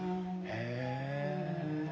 へえ。